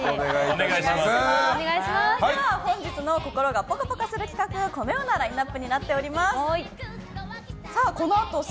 本日の心がぽかぽかする企画このようなラインアップになっております。